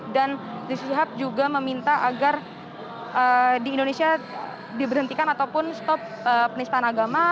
dan rizik syihab juga meminta agar di indonesia diberhentikan ataupun stop penistaan agama